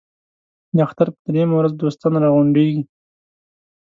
د اختر په درېیمه ورځ دوستان را غونډېږي.